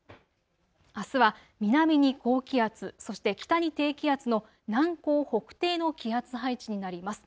あすは南に高気圧、そして北に低気圧の南高北低の気圧配置になります。